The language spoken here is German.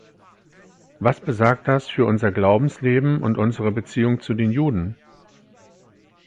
Was besagt das für unser Glaubensleben und unsere Beziehung zu den Juden?